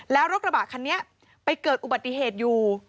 แล้วรถกระบะคันนี้ไปเกิดอุบัติเหตุอยู่